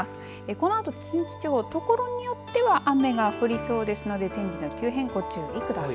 このあと近畿地方ところによっては雨が降りそうですので天気の急変、ご注意ください。